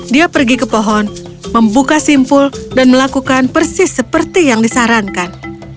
dia pergi ke pohon membuka simpul dan melakukan persis seperti yang disarankan